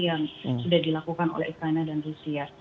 yang sudah dilakukan oleh ukraina dan rusia